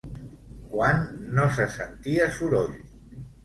Quan no se sentia soroll?